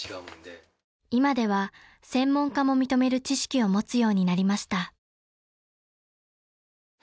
［今では専門家も認める知識を持つようになりました］